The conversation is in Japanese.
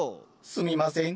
すみません。